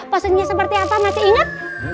posenya seperti apa masih inget